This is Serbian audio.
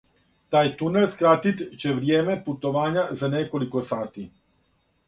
Тај тунел скратит ће вријеме путовања за неколико сати.